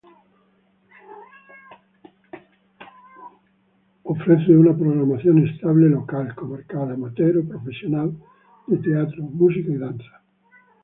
Ofrece una programación estable local, comarcal, amateur o profesional, de teatro, música y danza.